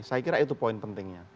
saya kira itu poin pentingnya